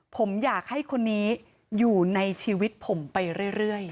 ผมอยากให้คนนี้อยู่ในชีวิตผมไปเรื่อย